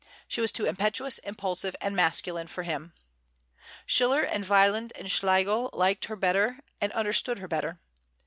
She was too impetuous, impulsive, and masculine for him. Schiller and Wieland and Schlegel liked her better, and understood her better.